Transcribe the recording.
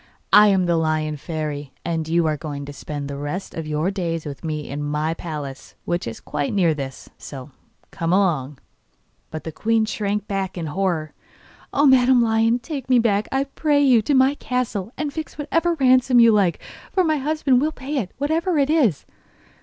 I am the Lion Fairy, and you are going to spend the rest of your days with me in my palace, which is quite near this. So come along.' But the queen shrank back in horror. 'Oh, Madam Lion, take me back, I pray you, to my castle; and fix what ransom you like, for my husband will pay it, whatever it is.